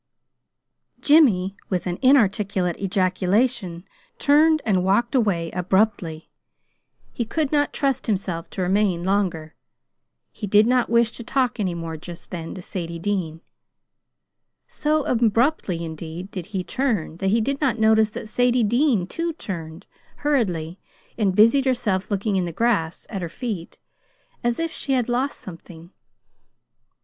Jimmy, with an inarticulate ejaculation, turned and walked away abruptly. He could not trust himself to remain longer. He did not wish to talk any more, just then, to Sadie Dean. So abruptly, indeed, did he turn, that he did not notice that Sadie Dean, too, turned hurriedly, and busied herself looking in the grass at her feet, as if she had lost something.